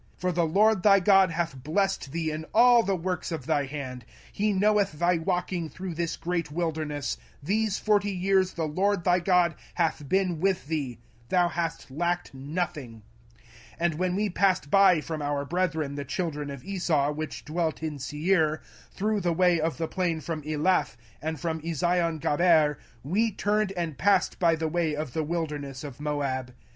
05:002:007 For the LORD thy God hath blessed thee in all the works of thy hand: he knoweth thy walking through this great wilderness: these forty years the LORD thy God hath been with thee; thou hast lacked nothing. 05:002:008 And when we passed by from our brethren the children of Esau, which dwelt in Seir, through the way of the plain from Elath, and from Eziongaber, we turned and passed by the way of the wilderness of Moab.